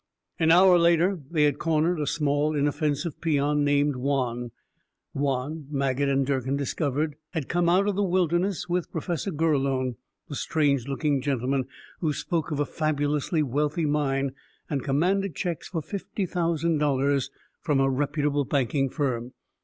An hour later, they had cornered a small, inoffensive peon named Juan. Juan, Maget and Durkin had discovered, had come out of the wilderness with Professor Gurlone, the strange looking gentleman who spoke of a fabulously wealthy mine and commanded checks for fifty thousand dollars from a reputable banking firm.